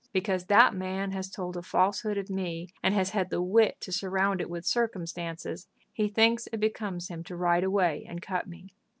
"Because that man has told a falsehood of me, and has had the wit to surround it with circumstances, he thinks it becomes him to ride away and cut me."